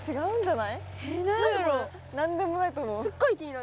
なんでもないと思う。